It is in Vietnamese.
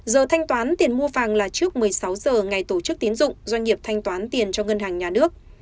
giờ thanh toán tiền mua vàng là trước một mươi sáu giờ ngày tổ chức tiến dụng doanh nghiệp thanh toán tiền cho ngân hàng nhà nước